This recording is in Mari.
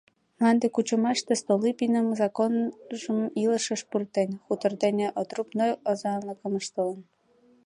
Мланде кучымаште Столыпиным законжым илышыш пуртен, хутор дене отрубной озанлыкым ыштылын.